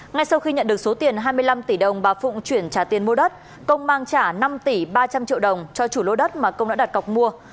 ngay sau khi nhận được số tiền hai mươi năm tỷ đồng bà phụng chuyển trả tiền mua đất công mang trả năm tỷ ba trăm linh triệu đồng cho chủ lô đất mà công đã đặt cọc mua